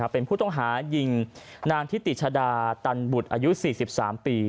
เป็นผู้ต้องหายิงนางทิติชดาตันบุตรอายุ๔๓ปี